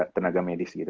tenaga medis gitu